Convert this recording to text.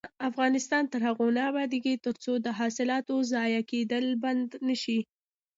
افغانستان تر هغو نه ابادیږي، ترڅو د حاصلاتو ضایع کیدل بند نشي.